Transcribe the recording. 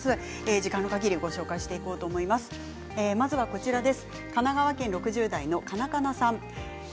時間のかぎりご紹介していこうと思います。